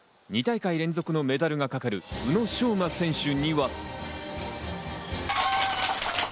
２大会連続のメダルがかかる宇野昌磨選手には。